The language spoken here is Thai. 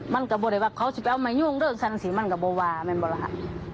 มันก็บ่เลยว่าเขาจะไปเอาไม่ยุ่งเริ่มสรรค์สิมันก็บ่วามันบ่ละฮะ